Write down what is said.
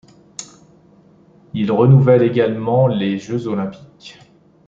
Il renouvelle également les Jeux olympiques.